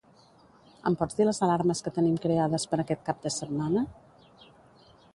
Em pots dir les alarmes que tenim creades per aquest cap de setmana?